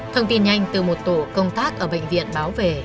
thông tin nhanh từ một tổ công tác ở bệnh viện báo về